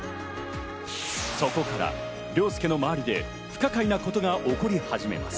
そこから凌介の周りで不可解なことが起こり始めます。